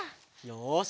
よし！